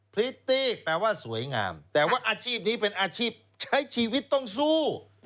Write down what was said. พริตตี้แปลว่าสวยงามแต่ว่าอาชีพนี้เป็นอาชีพใช้ชีวิตต้องสู้